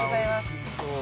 おいしそう。